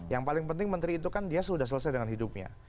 yang paling penting menteri itu kan dia sudah selesai dengan hidupnya